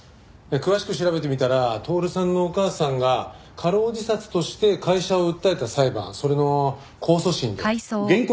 詳しく調べてみたら透さんのお母さんが過労自殺として会社を訴えた裁判それの控訴審で。